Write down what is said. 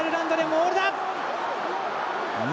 モールだ。